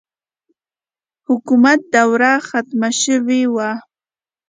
حکومت دوره ختمه شوې وه.